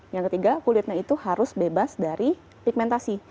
yang ketiga kulitnya itu harus bebas dari pigmentasi